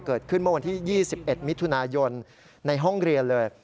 เกิดขึ้นเมื่อวันที่๒๑มิถุนายนในห้องเรียนเลย